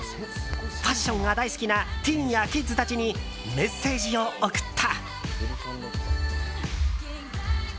ファッションが大好きなティーンやキッズたちにメッセージを送った。